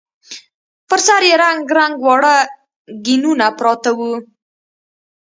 پر سر يې رنګ رنګ واړه ګېنونه پراته وو.